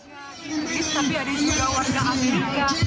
ada inggris tapi ada juga warga amerika